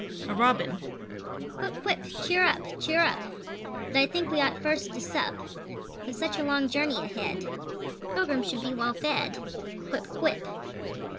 [A Robin]: Quip! Quip! Cheer up! Cheer up! But I think we ought first to sup; With such a long journey ahead, Pilgrims should be well fed Quip! Quip!